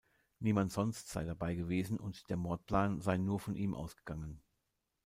Niemand sonst sei dabei gewesen, und der Mordplan sei nur von ihm ausgegangen.